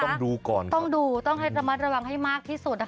ต้องดูก่อนต้องดูต้องให้ระมัดระวังให้มากที่สุดนะคะ